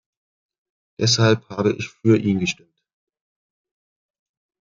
Deshalb habe ich für ihn gestimmt.